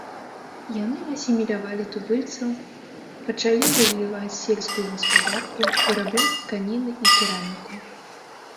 Яны асімілявалі тубыльцаў, пачалі развіваць сельскую гаспадарку, вырабляць тканіны і кераміку.